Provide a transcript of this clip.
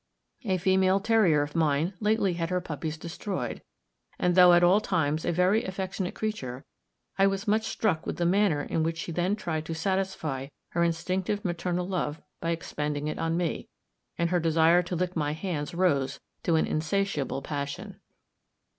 A female terrier of mine lately had her puppies destroyed, and though at all times a very affectionate creature, I was much struck with the manner in which she then tried to satisfy her instinctive maternal love by expending it on me; and her desire to lick my hands rose to an insatiable passion.